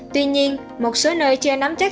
tuy nhiên một số nơi chưa nắm chắc